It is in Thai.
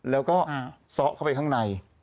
แล้วก็ซ้อเข้าไปข้างใน